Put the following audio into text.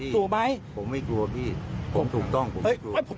กลัวไหมผมไม่กลัวพี่ผมถูกต้องผมไม่กลัว